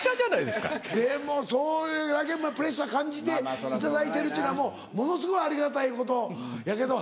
でもそういうプレッシャー感じていただいてるっちゅうのはもうものすごいありがたいことやけど。